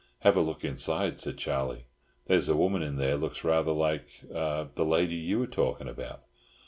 "Have a look inside," said Charlie. "There's a woman in there looks rather like—the lady you were talking about."